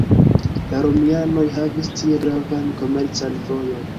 La romianoj havis tie gravan komercan vojon.